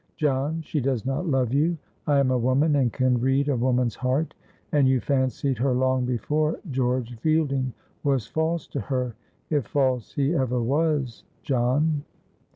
John, she does not love you. I am a woman and can read a woman's heart; and you fancied her long before George Fielding was false to her, if false he ever was, John."